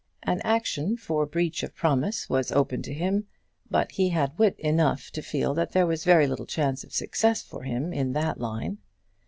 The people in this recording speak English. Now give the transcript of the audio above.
An action for breach of promise was open to him, but he had wit enough to feel that there was very little chance of success for him in that line.